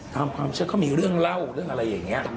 ตามความเชื่อเขามีเรื่องเล่าเรื่องอะไรอย่างนี้